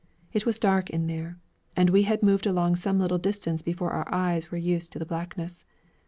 It was dark in there, and we had moved along some little distance before our eyes were used to the blackness.